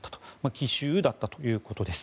奇襲だったということです。